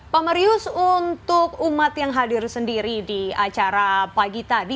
pak marius untuk umat yang hadir sendiri di acara pagi tadi